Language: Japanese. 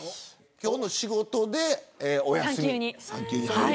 今日の仕事でお休みに入る。